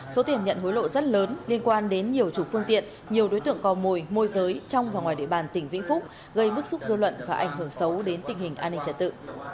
số tiền nhận hối lộ rất lớn liên quan đến nhiều chủ phương tiện nhiều đối tượng cò mồi môi giới trong và ngoài địa bàn tỉnh vĩnh phúc gây bức xúc dư luận và ảnh hưởng xấu đến tình hình an ninh trật tự